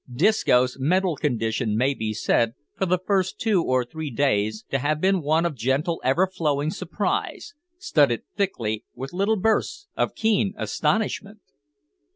Disco's mental condition may be said, for the first two or three days, to have been one of gentle ever flowing surprise, studded thickly with little bursts of keen astonishment.